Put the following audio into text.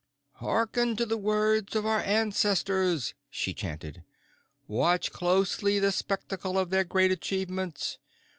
"Harken to the words of our ancestors," she chanted. "Watch closely the spectacle of their great achievements.